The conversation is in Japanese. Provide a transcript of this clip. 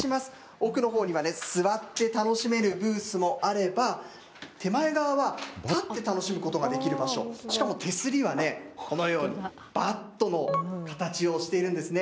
奥のほうにはね座って楽しめるブースもあれば手前側は立って楽しむことができる場所しかも手すりはね、このようにバットの形をしているんですね。